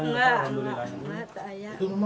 nggak ada yang luka